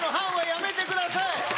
何かの半はやめてください。